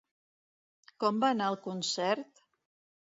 Com va anar el concert?